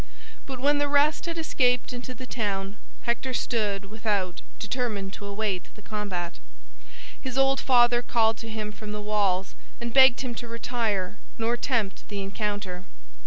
But when the rest had escaped into the town Hector stood without determined to await the combat. His old father called to him from the walls and begged him to retire nor tempt the encounter.